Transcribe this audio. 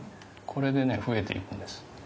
これでね増えていくんです。